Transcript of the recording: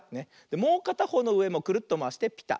もうかたほうのうでもクルッとまわしてピタッ。